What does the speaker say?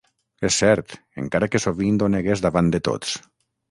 És cert, encara que sovint ho negues davant de tots.